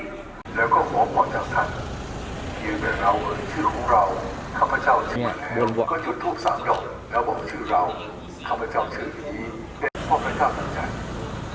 แล้วก็ขอบอกจากท่านอย่างเดียวเราเอาชื่อของเราข้าพเจ้าชื่อมาแล้วก็หยุดทุบสามยกแล้วบอกชื่อเราข้าพเจ้าชื่อนี้เป็นพ่อพระเจ้าตั้งใจ